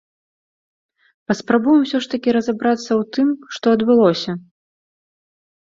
Паспрабуем усё ж такі разабрацца ў тым, што адбылося.